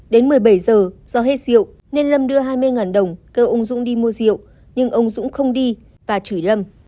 đến một mươi bảy giờ do hết rượu nên lâm đưa hai mươi đồng kêu ông dũng đi mua rượu nhưng ông dũng không đi và chửi lâm